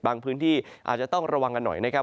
พื้นที่อาจจะต้องระวังกันหน่อยนะครับ